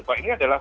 bahwa ini adalah